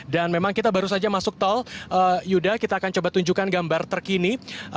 dan memang kita baru saja masuk tol yuda kita akan coba tunjukkan gambar terkini